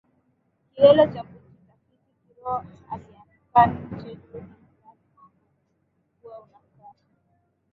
kilele cha kujitafiti kiroho Aliandikan nje rudi ndani mwako ukweli unakaa